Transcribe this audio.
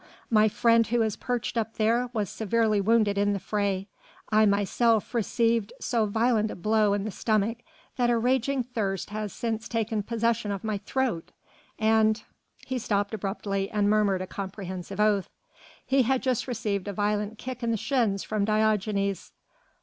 My friend who is perched up there was severely wounded in the fray, I myself received so violent a blow in the stomach that a raging thirst has since taken possession of my throat, and " He stopped abruptly and murmured a comprehensive oath. He had just received a violent kick in the shins from Diogenes.